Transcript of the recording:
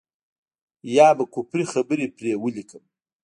يا به کفري خبرې پرې وليکم.